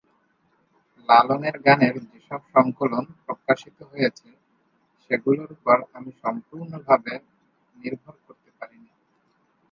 লালনের গানের যেসব সংকলন প্রকাশিত হয়েছে, সেগুলোর ওপর আমি সম্পূর্ণভাবে নির্ভর করতে পারিনি।